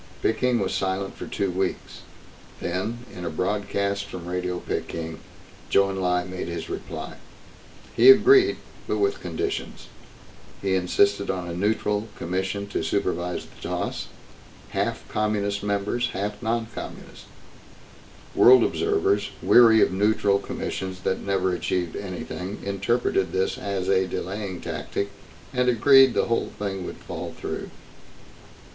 Peking was silent for two weeks. Then, in a broadcast from Radio Peking, Chou En Lai made his reply. He agreed but with conditions. He insisted on a neutral commission to supervise the toss, half Communist members, half non Communist. World observers, weary of neutral commissions that never achieved anything, interpreted this as a delaying tactic and agreed the whole thing would fall through.